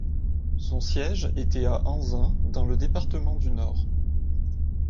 Son siège était à Anzin dans le département du Nord.